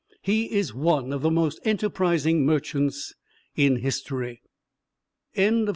He is one of the most enterprising merchants in history. ALEXANDER T.